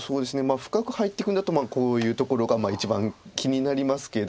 深く入っていくんだとこういうところが一番気になりますけど。